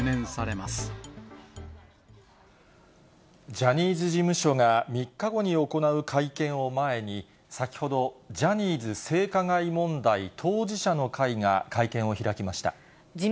ジャニーズ事務所が３日後に行う会見を前に、先ほど、ジャニーズ性加害問題当事者の会が会見を開きました。